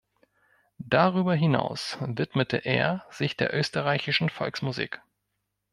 Darüber hinaus widmete er sich der österreichischen Volksmusik.